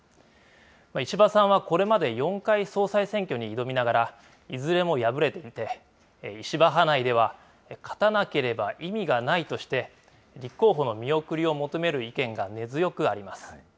石破さんはこれまで４回、総裁選挙に挑みながら、いずれも敗れていて、石破派内では、勝たなければ意味がないとして、立候補の見送りを求める意見が根強くあります。